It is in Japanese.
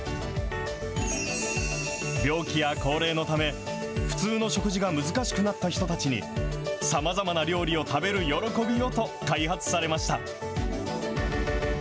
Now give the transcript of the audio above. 病気や高齢のため、普通の食事が難しくなった人たちに、さまざまな料理を食べる喜びをと、開発されました。